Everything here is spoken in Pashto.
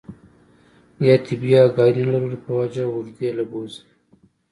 يا طبي اګاهي نۀ لرلو پۀ وجه اوږدې له بوځي